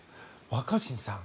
若新さん